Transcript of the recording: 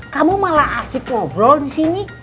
kamu malah asik ngobrol disini